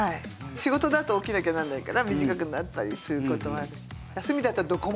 仕事だと起きなきゃならないから短くなったりする事もあるし。